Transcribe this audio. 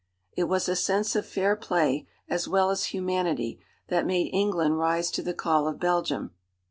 It was a sense of fair play, as well as humanity, that made England rise to the call of Belgium.